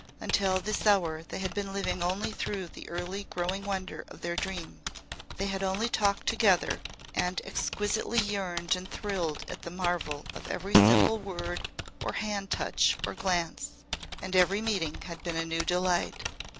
Until this hour they had been living only through the early growing wonder of their dream; they had only talked together and exquisitely yearned and thrilled at the marvel of every simple word or hand touch or glance, and every meeting had been a new delight.